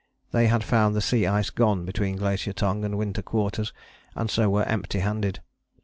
They had found the sea ice gone between Glacier Tongue and Winter Quarters and so were empty handed.